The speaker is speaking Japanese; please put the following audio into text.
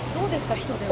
人出は。